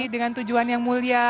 dengan tujuan yang mulia